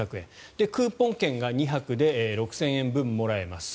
クーポン券が２泊で６０００円分もらえます。